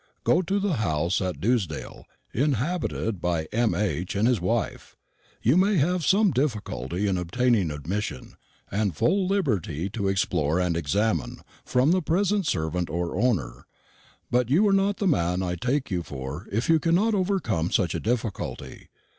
Go to the house at Dewsdale, inhabited by M.H. and his wife. You may have some difficulty in obtaining admission and full liberty to explore and examine from the present servant or owner; but you are not the man I take you for if you cannot overcome such a difficulty.